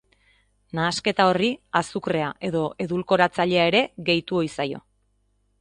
Nahasketa horri azukrea edo edulkoratzailea ere gehitu ohi zaio.